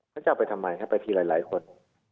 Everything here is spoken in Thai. มันจะไปทำไมจะไปทีหลายคน